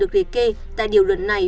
được lề kê tại điều luận này